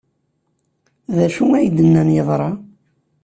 D acu ay d-nnan yeḍra?